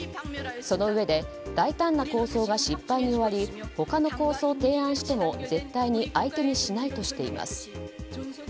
そのうえで大胆な構想が失敗に終わり他の構想を提案しても絶対に相手にしないとしています。